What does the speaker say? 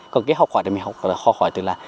còn cái học hỏi thì mình học hỏi từ là